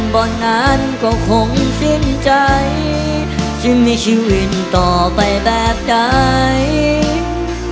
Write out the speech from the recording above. บางนานก็คงสิ้นใจจึงมีชีวิตต่อไปแบบใจ